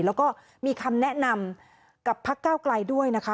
แล้วก็มีคำแนะนำกับพักเก้าไกลด้วยนะคะ